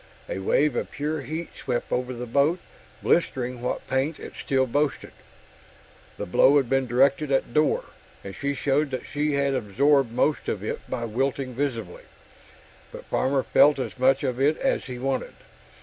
A wave of pure heat swept over the boat, blistering what paint it still boasted. The blow had been directed at Dor, and she showed that she had absorbed most of it by wilting visibly but Farmer felt as much of it as he wanted.